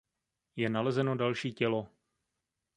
Je nalezeno další tělo.